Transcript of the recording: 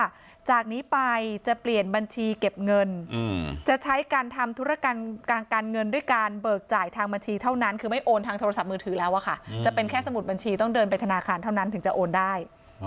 จากนี้ไปจะเปลี่ยนบัญชีเก็บเงินจะใช้การทำธุรการเงินด้วยการเบิกจ่ายทางบัญชีเท่านั้นคือไม่โอนทางโทรศัพท์มือถือแล้วอะค่ะจะเป็นแค่สมุดบัญชีต้องเดินไปธนาคารเท่านั้นถึงจะโอนได้